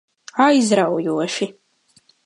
Aizraujoši.